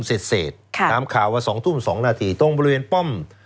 เสร็จตามข่าวมา๒ทุ่ม๒นาทีตรงบริเวณป้อม